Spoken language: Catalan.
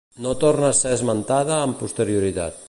No torna a ser esmentada amb posterioritat.